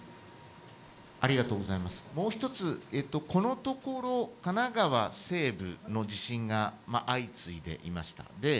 もう１つ、このところ神奈川西部の地震が相次いでいました。